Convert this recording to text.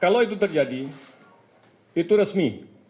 kalau itu terjadi itu resmi